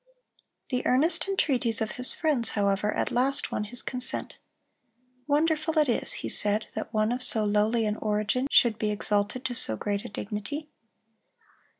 The earnest entreaties of his friends, however, at last won his consent. "Wonderful it is," he said, "that one of so lowly an origin should be exalted to so great a dignity."